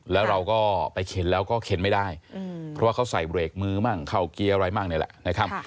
แล้วเราก็ไปเข็นแล้วก็เข็นไม่ได้เพราะว่าเขาใส่เบรกมือมั่งเข้าเกียร์อะไรมั่งนี่แหละนะครับ